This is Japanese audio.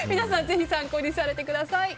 ぜひ参考にされてください。